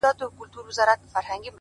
زه دي لکه سیوری درسره یمه پل نه لرم-